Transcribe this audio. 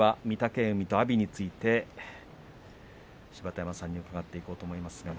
御嶽海と阿炎について芝田山さんに伺っていこうと思います。